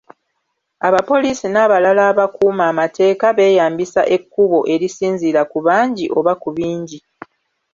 Abapoliisi n'abalala abakuuma amateka, beeyambisa ekkubo erisinziira ku bangi oba ku bingi.